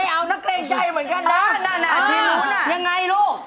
อย่างไรลูก